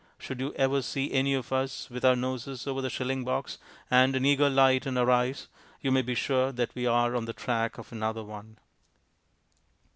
Should you ever see any of us with our noses over the shilling box and an eager light in our eyes, you may be sure that we are on the track of another one.